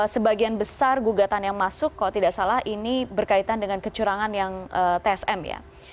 sebagian besar gugatan yang masuk kalau tidak salah ini berkaitan dengan kecurangan yang tsm ya